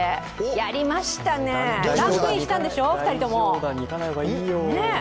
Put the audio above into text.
やりましたね、ランクインしたんでしょ、２人とも。